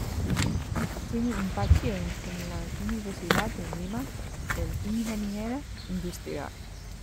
Tiene un bachiller en la Universidad de Lima en Ingeniería Industrial.